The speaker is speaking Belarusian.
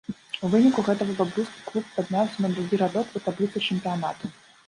У выніку гэтага бабруйскі клуб падняўся на другі радок у табліцы чэмпіянату.